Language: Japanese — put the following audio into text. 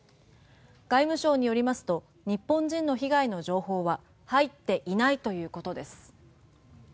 外務省によりますと日本人の被害の情報は入っていないということです。